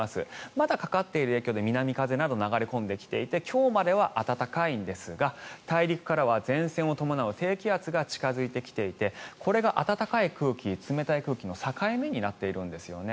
まだかかっている影響で南風など流れ込んできていて今日までは暖かいんですが大陸からは前線を伴う低気圧が近付いてきていてこれが暖かい空気と冷たい空気の境目になっているんですよね。